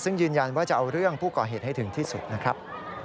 ซึ่งยืนยันว่าจะเอาเรื่องผู้ก่อเหตุให้ถึงที่สุดนะครับ